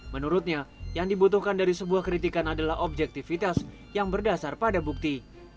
menurutnya yang dibutuhkan dari sebuah kritikan adalah objektivitas yang berdasar pada bukti